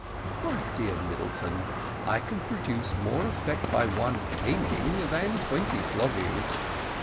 "My dear Middleton, I can produce more effect by one caning than twenty floggings.